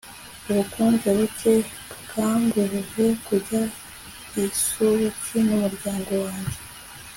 Ubukonje buke bwambujije kujya Ibusuki numuryango wanjye